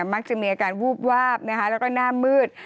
มักจะมีอาการวูบวาบแล้วก็หน้ามืด